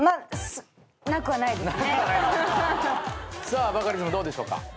さあバカリズムどうでしょうか？